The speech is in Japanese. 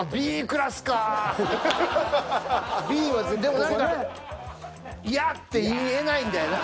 でも何か嫌って言えないんだよな。